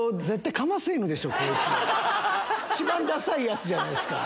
一番ダサい奴じゃないですか。